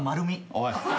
おい！